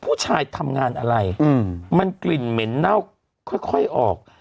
ผู้ชายทำงานอะไรมันกลิ่นเหม็นเน่าค่อยออก